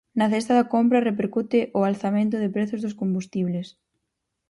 Na cesta da compra repercute o alzamento de prezos dos combustibles.